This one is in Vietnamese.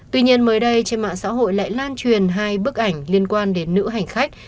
tuy nhiên mới đây trên mạng xã hội lại lan truyền hai bức ảnh liên quan đến nữ hành khách